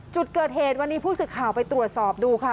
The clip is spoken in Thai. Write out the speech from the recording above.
จุดเกิดเหตุวันนี้ผู้สื่อข่าวไปตรวจสอบดูค่ะ